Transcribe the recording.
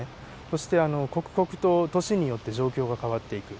そして刻々と年によって状況が変わっていく。